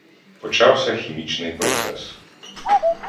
Почався хімічний процес.